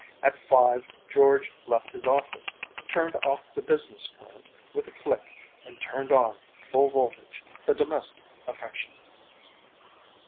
At five George left his office, turned off the business current with a click and turned on, full voltage, the domestic affectionate.